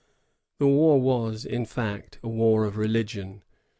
The war was, in fact, a war of religion.